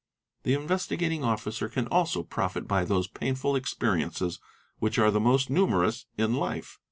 The Investigating Officer can also profit by those painful experiences, which are the most numerous in life.